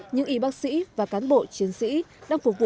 những y bác sĩ và cán bộ chiến sĩ đang phát triển